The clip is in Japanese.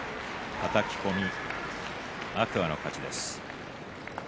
はたき込み、天空海の勝ちです。